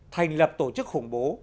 thành lập tổ chức khủng bố